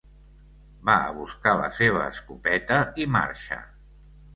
Va a buscar la seva escopeta i marxa.